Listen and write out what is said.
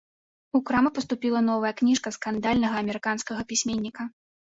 У крамы паступіла новая кніжка скандальнага амерыканскага пісьменніка.